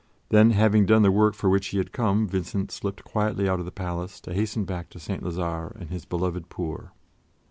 Then, having done the work for which he had come, Vincent slipped quietly out of the palace to hasten back to St. Lazare and his beloved poor.